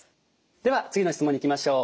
では次の質問にいきましょう。